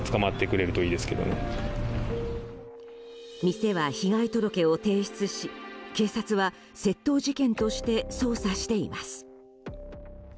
店は被害届を提出し警察は窃盗事件として捜査しています。